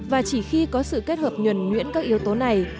và chỉ khi có sự kết hợp nhuẩn nhuyễn các yếu tố này